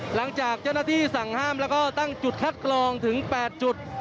หลังจากเจ้าหน้าที่สั่งห้ามแล้วก็ตั้งจุดคัดกรองถึง๘จุด